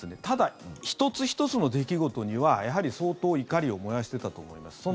ただ、１つ１つの出来事にはやはり相当、怒りを燃やしてたと思います。